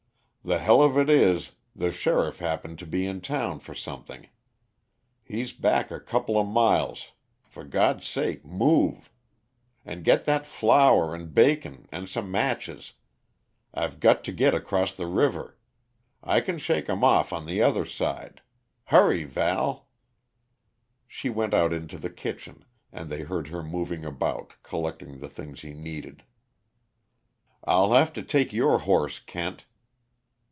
"The hell of it is, the sheriff happened to be in town for something; he's back a couple of miles for God's sake, move! And get that flour and bacon, and some matches. I've got to get across the river. I can shake 'em off, on the other side. Hurry, Val!" She went out into the kitchen, and they heard her moving about, collecting the things he needed. "I'll have to take your horse, Kent."